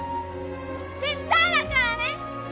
絶対だからね！